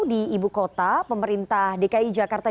di ibu kota pemerintah dki jakarta